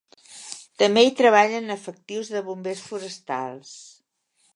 També hi treballen efectius de bombers forestals.